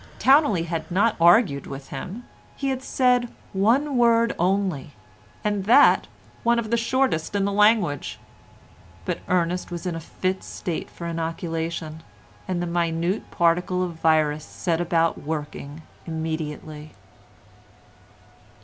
Towneley had not argued with him; he had said one word only, and that one of the shortest in the language, but Ernest was in a fit state for inoculation, and the minute particle of virus set about working immediately.